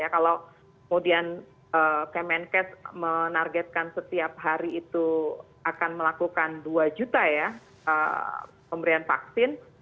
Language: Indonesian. kalau kemudian kemenkes menargetkan setiap hari itu akan melakukan dua juta ya pemberian vaksin